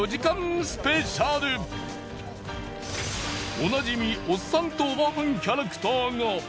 おなじみおっさんとおばはんキャラクターが。